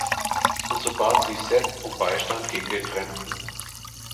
Und so bat sie Seth um Beistand gegen den Fremden.